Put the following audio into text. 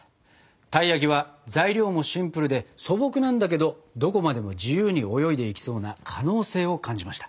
たい焼きは材料もシンプルで素朴なんだけどどこまでも自由に泳いでいきそうな可能性を感じました。